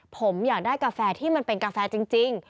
ผมอยากได้กาแฟที่มันเป็นกาแฟจริง